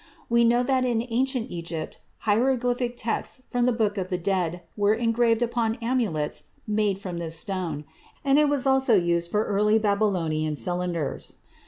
We know that in ancient Egypt hieroglyphic texts from the Book of the Dead were engraved upon amulets made from this stone, and it was also used for early Babylonian cylinders.